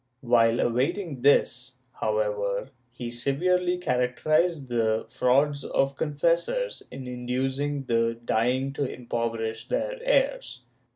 While awaiting this, however, he severely characterized the frauds of confessors in inducing the dying to impoverish their heirs.